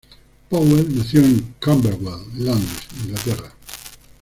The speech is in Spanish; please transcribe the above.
Powell nació en Camberwell, Londres, Inglaterra.